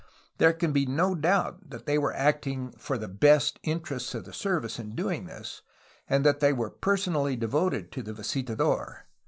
'' There can be no doubt that they were acting for the best interests of the service in doing this and that they were personally devoted to the visitador.